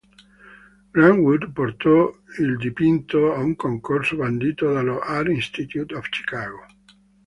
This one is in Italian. Grant Wood portò il dipinto a un concorso bandito dallo Art Institute of Chicago.